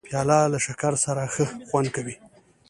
پیاله له شکر سره ښه خوند کوي.